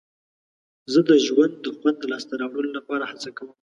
زه د ژوند د خوند د لاسته راوړلو لپاره هڅه کوم.